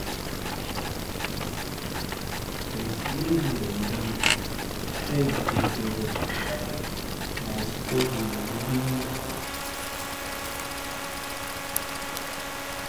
Wen sǐꞌ ngʉ̌ wenndāmα̌ ntám yī těndʉ̄ᾱ bᾱ mα a sī kάghʉ̌ yǐ wū bᾱ í ?